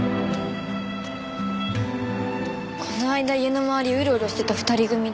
この間家の周りをウロウロしてた２人組って。